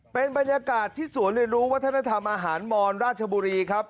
เป็นบรรยากาศที่สวนเรียนรู้วัฒนธรรมอาหารมอนราชบุรีครับ